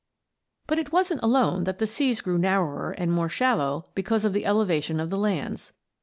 But it wasn't alone that the seas grew narrower and more shallow because of the elevation of the lands.